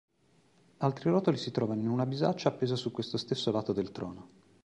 Altri rotoli si trovano in una bisaccia appesa su questo stesso lato del trono.